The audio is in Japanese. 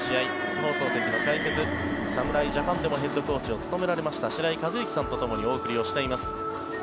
放送席の解説、侍ジャパンでもヘッドコーチを務められました白井一幸さんとともにお送りをしています。